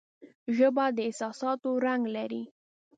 ژبه د احساساتو رنگ لري